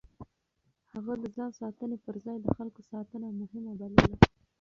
هغه د ځان ساتنې پر ځای د خلکو ساتنه مهمه بلله.